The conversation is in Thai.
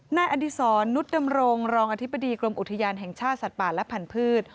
นายอดีศรนุษย์ดำรงรองอธิบดีกรมอุทยานแห่งชาติสัตว์ป่าและพันธุ์